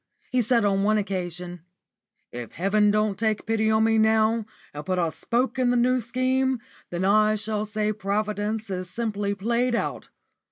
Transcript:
He said on one occasion: "If heaven don't take pity on me now, and put a spoke in the New Scheme, then I shall say Providence is simply played out.